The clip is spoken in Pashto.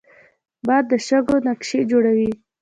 باد د شګو نقاشي جوړوي